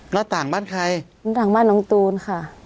แล้วต่างบ้านใครต่างบ้านน้องตูนค่ะ